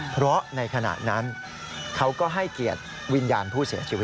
เพราะในขณะนั้นเขาก็ให้เกียรติวิญญาณผู้เสียชีวิต